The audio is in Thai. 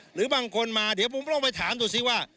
หรือบางคนมาเดี๋ยวผมต้องไปถามดูสิว่า